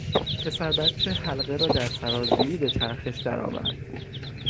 پسر بچه حلقه را در سرازیری به چرخش درآورد.